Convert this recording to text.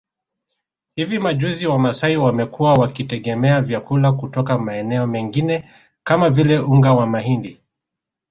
Hivi majuzi Wamasai wamekuwa wakitegemea vyakula kutoka maeneo mengine kama vile unga wa mahindi